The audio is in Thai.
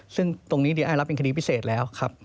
ซึ่งตรงนี้เดี๋ยวไอ้รับเป็นคดีพิเศษแล้ว